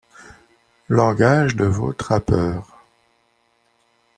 langage de vos trappeurs.